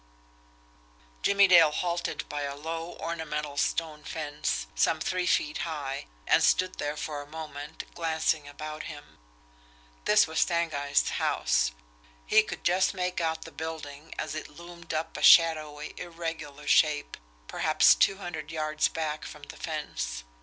Jimmie Dale halted by a low, ornamental stone fence, some three feet high, and stood there for a moment, glancing about him. This was Stangeist's house he could just make out the building as it loomed up a shadowy, irregular shape, perhaps two hundred yards back from the fence.